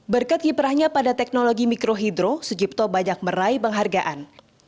berkat kiprahnya pada teknologi mikrohidro sujipto banyak meraih penghargaan